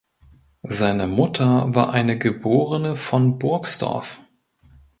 Seine Mutter war eine geborene von Burgsdorff.